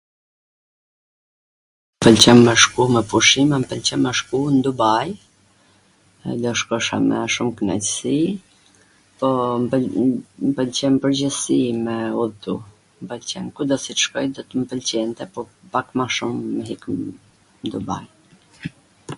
M pwlqen me shku me pushime, m pwlqen me shku n Dubaj, do shkosha me shum knaqsi, po m pwlqen m pwlqen n pwrgjithsi me udhtu, kudo qw t shkoj do t mw pwlqente, po pak ma shum n Dubaj.